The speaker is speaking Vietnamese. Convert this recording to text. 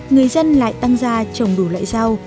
người dân lại tăng ra trồng đủ loại rau